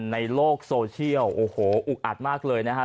ในโรคโซเชียลโหกอัดมากเลยนะฮะ